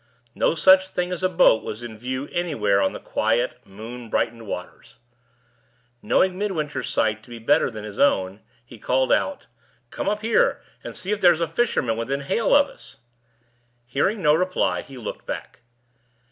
No such thing as a boat was in view anywhere on the quiet, moon brightened waters. Knowing Midwinter's sight to be better than his own, he called out, "Come up here, and see if there's a fisherman within hail of us." Hearing no reply, he looked back.